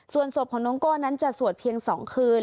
ส่วนศพของน้องโก้นั้นจะสวดเพียง๒คืน